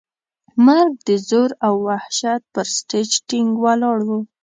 مرګ د زور او وحشت پر سټېج ټینګ ولاړ و.